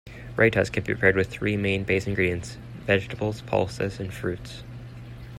Raitas can be prepared with three main base ingredients: vegetables, pulses and fruits.